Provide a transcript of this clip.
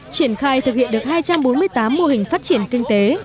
triển khai thực hiện được hai trăm bốn mươi tám mô hình phát triển kinh tế